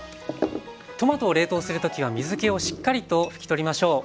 トマトを冷凍する時は水けをしっかりと拭き取りましょう。